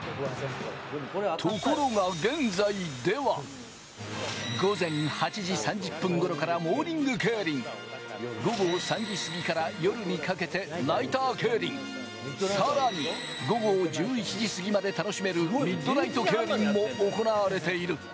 ところが現在では、午前８時３０分ごろからモーニング競輪、午後３時過ぎから夜にかけてナイター競輪、さらに午後１１時過ぎまで楽しめる、ミッドナイト競輪も行われている。